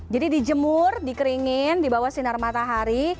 jadi dijemur dikeringin di bawah sinar matahari